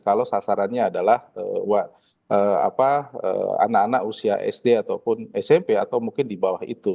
kalau sasarannya adalah anak anak usia sd ataupun smp atau mungkin di bawah itu